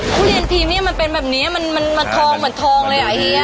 ทุเรียนทีมเนี่ยมันเป็นแบบนี้มันทองเหมือนทองเลยอ่ะเฮีย